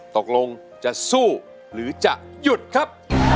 ตกลงจะสู้หรือจะหยุดครับ